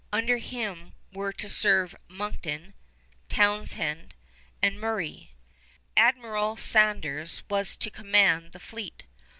Under him were to serve Monckton, Townshend, and Murray. Admiral Saunders was to command the fleet.